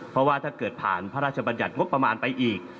เพราะว่าถ้าเกิดผ่านพระราชบัญญัติงบประมาณไปอีก